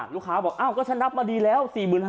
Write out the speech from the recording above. ลูกค้าบอกอ้าวก็ฉันนับมาดีแล้ว๔๕๐๐